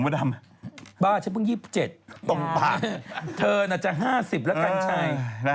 แต่นี่ยังไม่ถึง๔๐ไง